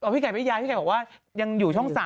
พี่ไก่พี่ยาพี่ไก่บอกว่ายังอยู่ช่อง๓